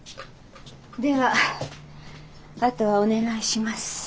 ではあとはお願いします。